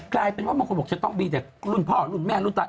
กลายเป็นว่าบางคนบอกจะต้องมีแต่รุ่นพ่อรุ่นแม่รุ่นตา